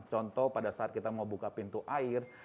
contoh pada saat kita mau buka pintu air